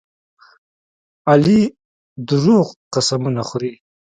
علي دروغ قسمونه خوري.